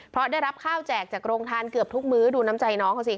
เพราะได้รับข้าวแจกจากโรงทานเกือบทุกมื้อดูน้ำใจน้องเขาสิ